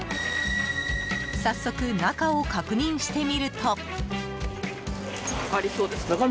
早速、中を確認してみると。